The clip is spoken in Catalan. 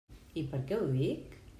I per què ho dic?